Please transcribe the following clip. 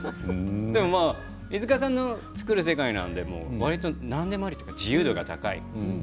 飯塚さんの作る世界なんで何でもありというか自由度が高い。